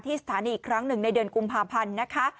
สถานีอีกครั้งหนึ่งในเดือนกุมภาพันธ์นะคะ